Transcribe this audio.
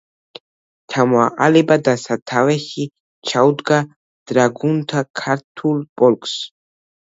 ჩამოაყალიბა და სათავეში ჩაუდგა დრაგუნთა ქართულ პოლკს.